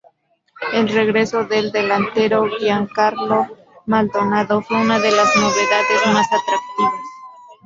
El regreso del delantero Giancarlo Maldonado fue una de las novedades más atractivas.